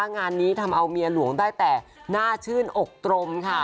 งานนี้ทำเอาเมียหลวงได้แต่หน้าชื่นอกตรมค่ะ